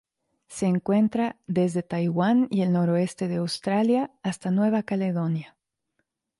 Se encuentra desde Taiwán y el noroeste de Australia hasta Nueva Caledonia.